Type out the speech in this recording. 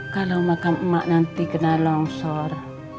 kalau makam emak nanti kena longsor